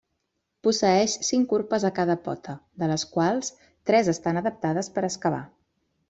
Posseeix cinc urpes a cada pota, de les quals tres estan adaptades per excavar.